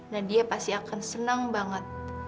nadia pasti akan senang banget